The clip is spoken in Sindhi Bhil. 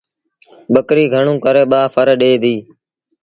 ٻڪريٚ گھڻوݩ ڪري ٻآ ڦر ڏي ديٚ۔